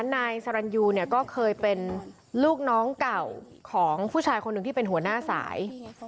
นายสรรยูเนี่ยก็เคยเป็นลูกน้องเก่าของผู้ชายคนหนึ่งที่เป็นหัวหน้าสาย